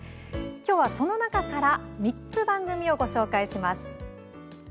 きょうはその中から３つ番組をご紹介します。